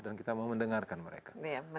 dan kita mendengarkan mereka